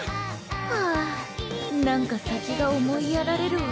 はぁなんか先が思いやられるわ。